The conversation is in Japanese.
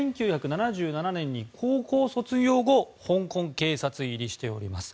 １９７７年に高校卒業後香港警察入りしています。